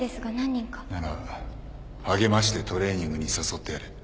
なら励ましてトレーニングに誘ってやれ。